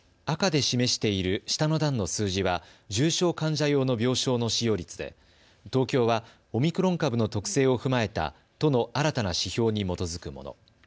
赤で示している下の段の数字は重症患者用の病床の使用率で東京はオミクロン株の特性を踏まえた都の新たな指標に基づくもの。